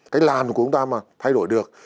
cái làm của chúng ta mà thay đổi được